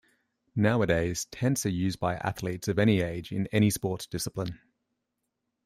Nowadays, tents are used by athletes of any age, in any sports discipline.